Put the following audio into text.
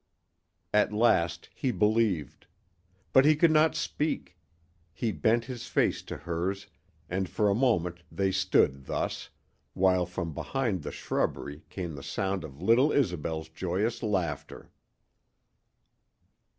At last he believed. But he could not speak. He bent his face to hers, and for a moment they stood thus, while from behind the shrubbery came the sound of little Isobel's joyous laughter.